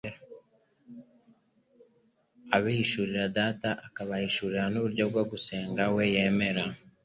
Abahishurira Data, akabahishurira n’uburyo bwo gusenga We yemera,